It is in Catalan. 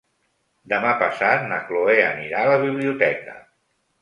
Demà passat na Chloé anirà a la biblioteca.